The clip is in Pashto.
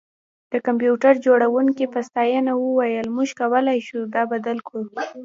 د کمپیوټر جوړونکي په ستاینه وویل موږ کولی شو دا بدل کړو